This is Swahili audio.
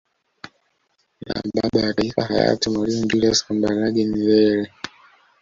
Na Baba wa Taifa hayati Mwalimu Julius Kambarage Nyerere